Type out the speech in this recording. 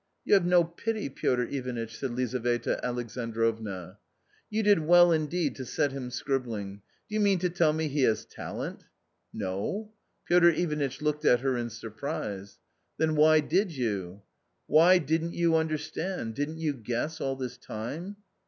" You have no pity, Piotr Ivanitch !" said Lizaveta Alexandrovna. " You did well indeed to set him scribbling ! do you mean to tell me he has talent ?"" No." ^. Piotr Ivanitch looked at her in surprise. " Then why did you ?"" Why, didn't you understand, didn't you guess, all this time